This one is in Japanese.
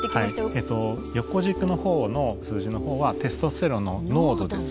えっと横軸の方の数字の方はテストステロンの濃度です。